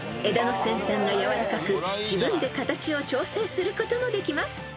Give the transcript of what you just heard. ［枝の先端がやわらかく自分で形を調整することもできます］